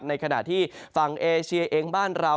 ในขณะที่ฝั่งเอเชียเองบ้านเรา